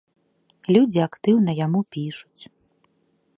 Людзі актыўна яму пішуць.